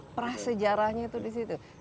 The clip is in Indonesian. prasejarahnya itu disitu